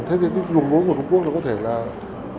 thế thì cái luồng đối của trung quốc có thể là không hề nổi